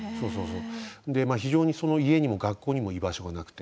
非常に家にも学校にも居場所がなくて。